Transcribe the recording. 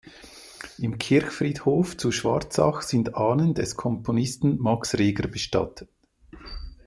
Im Kirchfriedhof zu Schwarzach sind Ahnen des Komponisten Max Reger bestattet.